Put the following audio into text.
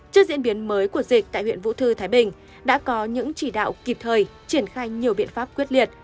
trước diễn biến mới của dịch tại huyện vũ thư thái bình đã có những chỉ đạo kịp thời triển khai nhiều biện pháp quyết liệt